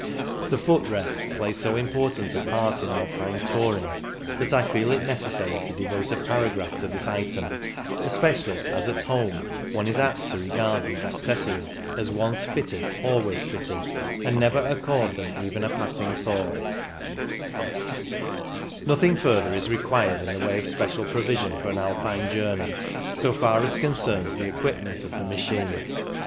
The foot rests ^ play so important a part in Alpine touring 236 CYCUNG IN THE ALPS that I feel it necessary to devote a para graph to this item, especially as at home one is apt to regard these accessories as "once fitted, always fitted," and never accord them even a passing thought Nothing further is required in the way of special provision for an Alpine jour ney, so far as concerns the equipment of the machine.